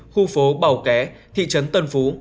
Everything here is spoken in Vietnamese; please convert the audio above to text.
khu phố bảo ké thị trấn tân phú